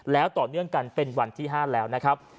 แล้วต่อเนื่องกันเป็นวันที่๕แล้วนะครับ